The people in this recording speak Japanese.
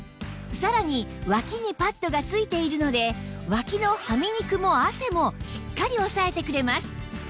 さらにワキにパッドが付いているのでワキのはみ肉も汗もしっかりおさえてくれます